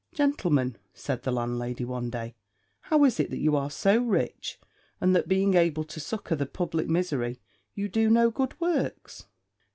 "Gentlemen," said the landlady one day, "how is it that you are so rich, and that, being able to succour the public misery, you do no good works?"